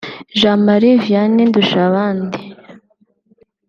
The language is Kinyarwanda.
Jean Marie Vianney Ndushabandi